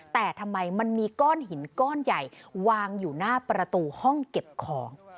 แต่ทำไมมันมีก้อนหินก้อนใหญ่วางอยู่หน้าประตูห้องเก็บของ